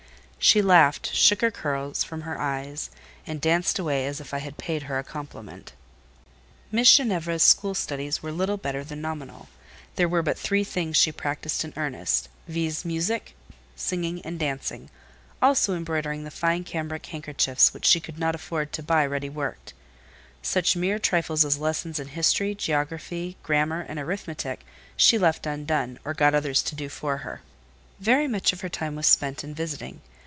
She laughed, shook her curls from her eyes, and danced away as if I had paid her a compliment. Miss Ginevra's school studies were little better than nominal; there were but three things she practised in earnest, viz. music, singing, and dancing; also embroidering the fine cambric handkerchiefs which she could not afford to buy ready worked: such mere trifles as lessons in history, geography, grammar, and arithmetic, she left undone, or got others to do for her. Very much of her time was spent in visiting.